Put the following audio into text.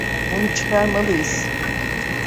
Onu çıkarmalıyız.